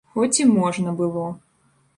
Хоць і можна было.